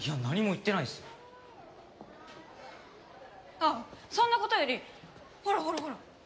あっそんな事よりほらほらほら！